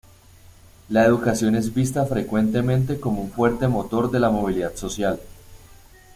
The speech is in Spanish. La educación es vista frecuentemente como un fuerte motor de la movilidad social.